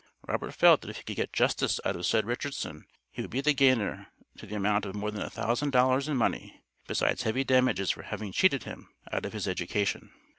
Robert felt if he could get justice out of said Richardson he would be the gainer to the amount of more than a thousand dollars in money besides heavy damages for having cheated him out of his education.